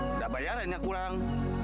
nggak bayarannya kurang